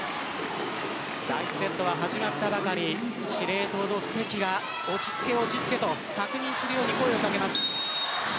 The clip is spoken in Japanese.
第１セットは始まったばかり司令塔の関が落ち着け、落ち着けと確認するように声を掛けます。